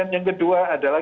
yang kedua adalah